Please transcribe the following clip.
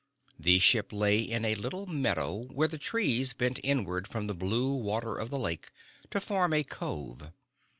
The ship lay in a little meadow where the trees bent inward from the blue water of the lake to form a cove.